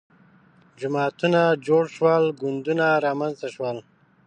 جماعتونه جوړ شول ګوندونه رامنځته شول